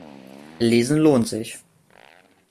Lesen lohnt sich.